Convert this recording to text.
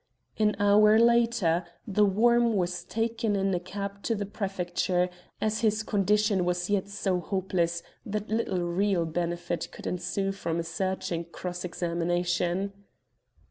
An hour later "The Worm" was taken in a cab to the Prefecture, as his condition was yet so hopeless that little real benefit could ensue from a searching cross examination.